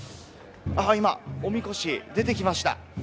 今、おみこしが出てきました。